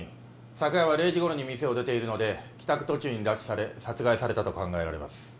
昨夜は０時頃に店を出ているので帰宅途中に拉致され殺害されたと考えられます